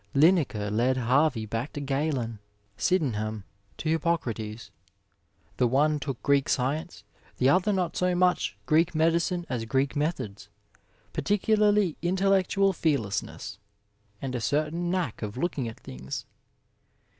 Linacre led Harvey back to Galen, Sydenham to Hippocrates. The one took Greek science, the other not so much Greek medi cine as Greek methods, particularly intellectual fearlessness, and a certain knack of looking at things.'